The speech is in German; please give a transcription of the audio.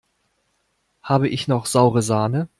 Habe ich noch saure Sahne?